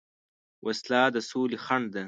وسله د سولې خنډ ده